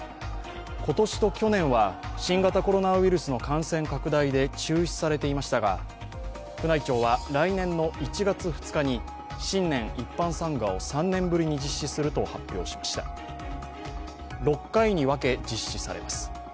今年と去年は新型コロナウイルスの感染拡大で中止されていましたが宮内庁は来年の１月２日に新年一般参賀を３年ぶりに実施すると発表しました６回に分け実施されます。